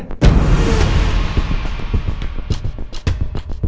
tidak ada hubungannya sama saya